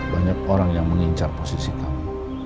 banyak orang yang mengincar posisi kami